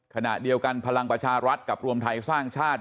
ขณะเดียวกันพลังประชารัฐกับรวมไทยสร้างชาติ